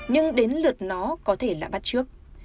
nhưng đến lượt nó có thể là bắt trước